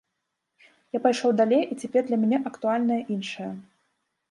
Я пайшоў далей і цяпер для мяне актуальнае іншае.